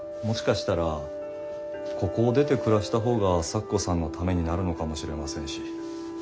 もしかしたらここを出て暮らした方が咲子さんのためになるのかもしれませんし。